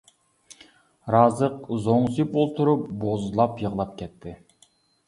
رازىق زوڭزىيىپ ئولتۇرۇپ بوزلاپ يىغلاپ كەتتى.